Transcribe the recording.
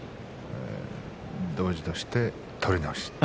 同時として取り直し。